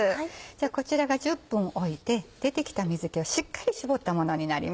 こちらが１０分置いて出てきた水気をしっかり絞ったものになります。